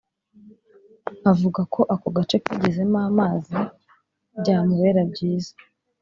Avuga ko ako gace kagezemo amazi byamubera byiza